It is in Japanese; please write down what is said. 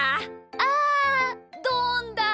あどんだ！